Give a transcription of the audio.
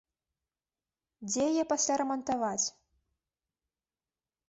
Дзе яе пасля рамантаваць?